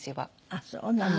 あっそうなの。